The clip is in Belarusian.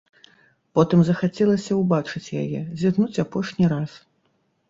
Потым захацелася ўбачыць яе, зірнуць апошні раз.